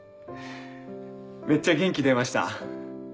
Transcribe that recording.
めっちゃ元気出ました。